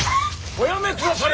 おやめくだされ！